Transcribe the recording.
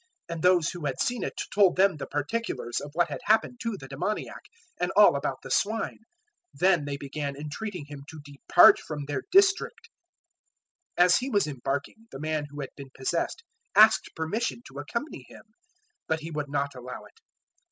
005:016 And those who had seen it told them the particulars of what had happened to the demoniac, and all about the swine. 005:017 Then they began entreating Him to depart from their district. 005:018 As He was embarking, the man who had been possessed asked permission to accompany Him. 005:019 But He would not allow it.